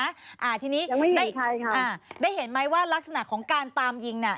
ยังไม่เห็นใครค่ะอ่าทีนี้ได้เห็นไหมว่าลักษณะของการตามยิงน่ะ